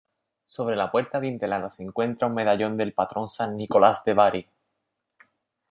Sobre la puerta adintelada se encuentra un medallón del patrón San Nicolás de Bari.